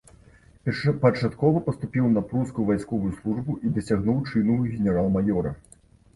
Першапачаткова паступіў на прускую вайсковую службу і дасягнуў чыну генерал-маёра.